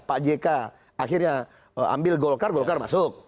pak jk akhirnya ambil golkar golkar masuk